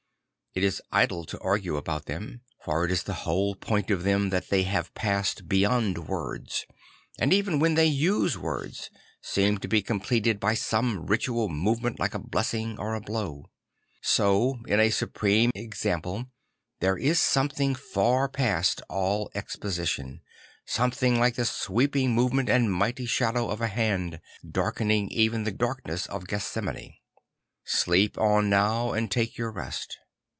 It is idle to argue about them; for it is the whole point of them tha t they have passed beyond words; and even ,vhen they use \vords, seem to be completed by some ritual movement like a blessing or a blow. So, in a supreme exam pIe, there is something far pa st all exposition, sOlnething like the sweeping move ment and mighty shadow of a hand, darkening even the darkness of Gethsemane; II Sleep on nüw, and take your rest.